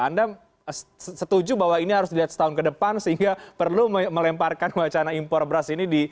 anda setuju bahwa ini harus dilihat setahun ke depan sehingga perlu melemparkan wacana impor beras ini